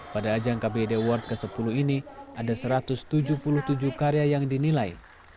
pada ajang kbd world ke sepuluh ini ada satu ratus tujuh puluh tujuh karya yang dinilai